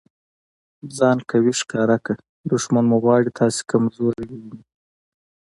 ځان قوي ښکاره که! دوښمن مو غواړي تاسي کمزوری وویني.